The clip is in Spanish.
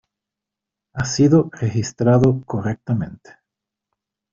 Ha sido registrado correctamente.